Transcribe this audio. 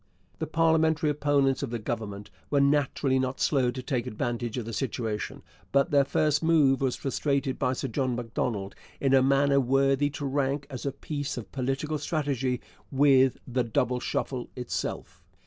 The parliamentary opponents of the Government were naturally not slow to take advantage of the situation, but their first move was frustrated by Sir John Macdonald in a manner worthy to rank as a piece of political strategy with the 'Double Shuffle' itself.